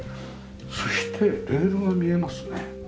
そしてレールが見えますね。